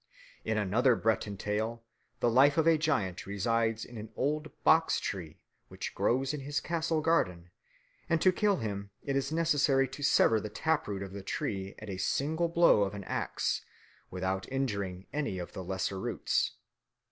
In another Breton tale the life of a giant resides in an old box tree which grows in his castle garden; and to kill him it is necessary to sever the tap root of the tree at a single blow of an axe without injuring any of the lesser roots.